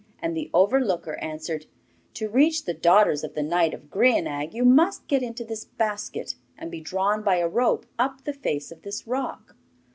And the overlooker answered: 'To reach the daughters of the knight of Grianaig you must get into this basket, and be drawn by a rope up the face of this rock.